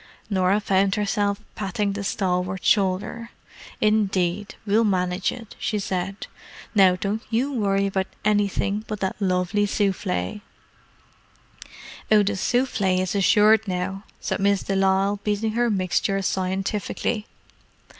Norah found herself patting the stalwart shoulder. "Indeed, we'll manage it," she said. "Now, don't you worry about anything but that lovely souffle." "Oh, the souffle is assured now," said Miss de Lisle, beating her mixture scientifically.